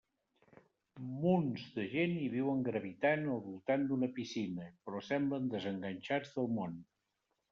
Munts de gent hi viuen gravitant al voltant d'una piscina però semblen desenganxats del món.